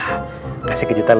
ti kan makin segala